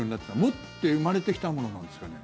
持って生まれてきたものなんですかね。